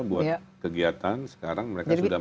buat kegiatan sekarang mereka sudah